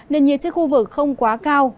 nền nhiệt trên khu vực không quá cao